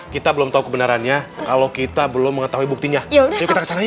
kita belom tahu kebenarannya kalau kita belum mengerti ngeri anthony brengsek systems